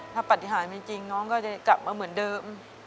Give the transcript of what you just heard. ถ้าปฏิหารไม่จริงน้องก็จะกลับมาเหมือนเดิม